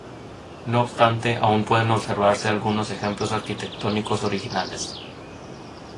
No obstante, aún pueden observarse algunos ejemplos arquitectónicos originales.